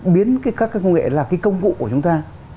biến các cái công nghệ là cái công cụ của chúng ta